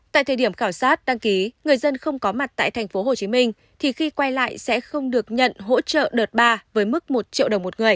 tại thời điểm khảo sát đăng ký người dân không có mặt tại tp hcm thì khi quay lại sẽ không được nhận hỗ trợ đợt ba với mức một triệu đồng một người